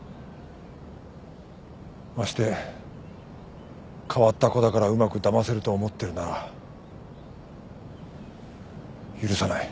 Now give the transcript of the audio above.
まして変わった子だからうまくだませると思ってるなら許さない。